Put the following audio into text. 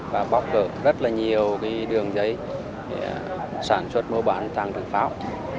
và bóc cỡ rất là nhiều đường giấy để sản xuất mô bán trang trực pháo